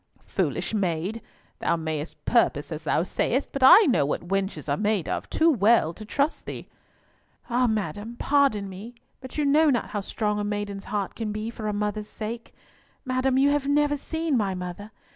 "Foolish maid, thou mayest purpose as thou sayest, but I know what wenches are made of too well to trust thee." "Ah madam, pardon me, but you know not how strong a maiden's heart can be for a mother's sake. Madam! you have never seen my mother.